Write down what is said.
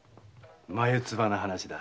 眉唾な話だ。